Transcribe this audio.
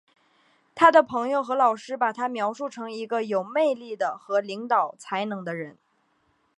他的朋友和老师把他描述成一个有魅力的和领导才能的人。